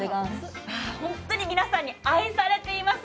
本当に皆さんに愛されています。